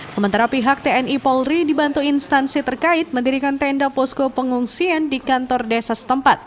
sementara pihak tni polri dibantu instansi terkait mendirikan tenda posko pengungsian di kantor desa setempat